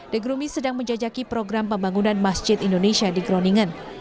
degrumi sedang menjajaki program pembangunan masjid indonesia di groningen